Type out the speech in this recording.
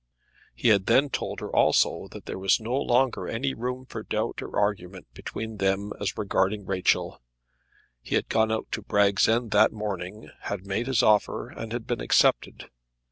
He had then told her also that there was no longer any room for doubt or argument between them as regarding Rachel. He had gone out to Bragg's End that morning, had made his offer, and had been accepted.